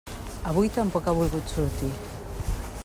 Avui tampoc ha volgut sortir.